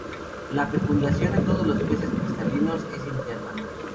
La fecundación en todos los peces cartilaginosos es interna.